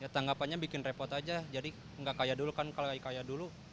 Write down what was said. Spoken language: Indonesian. tanggapannya bikin repot aja jadi nggak kayak dulu kan kalau kayak dulu